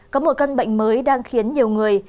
có một căn bệnh mới đang khiến nhiều người